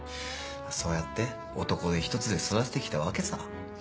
そうやって男手ひとつで育てて来たわけさ。